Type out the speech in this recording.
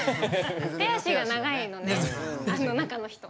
手足が長いのね中の人。